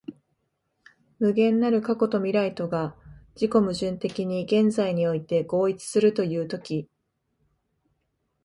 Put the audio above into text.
無限なる過去と未来とが自己矛盾的に現在において合一するという時、